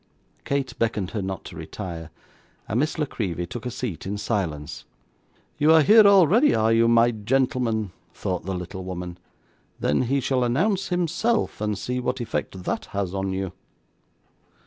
Kate beckoned her not to retire, and Miss La Creevy took a seat in silence. 'You are here already, are you, my gentleman?' thought the little woman. 'Then he shall announce himself, and see what effect that has on you.